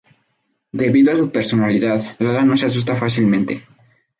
Debido a su personalidad, Lala no se asusta fácilmente.